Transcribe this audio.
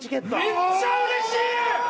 めっちゃうれしい！